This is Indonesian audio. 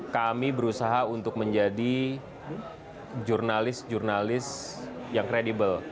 kami berusaha untuk menjadi jurnalis jurnalis yang kredibel